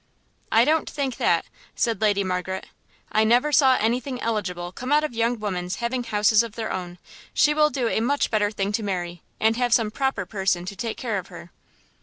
"I don't think that," said Lady Margaret, "I never saw anything eligible come of young women's having houses of their own; she will do a much better thing to marry, and have some proper person to take care of her."